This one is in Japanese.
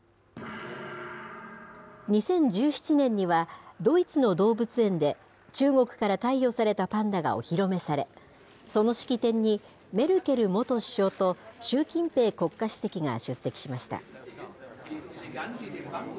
２０１７年にはドイツの動物園で、中国から貸与されたパンダがお披露目され、その式典に、メルケル元首相と習近平国家主席が出席しました。